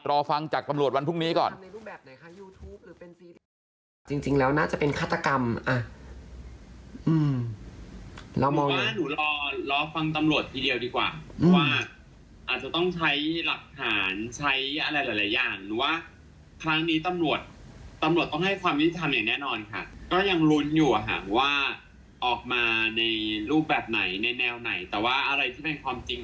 รอฟังจากตำรวจวันพรุ่งนี้ก่อน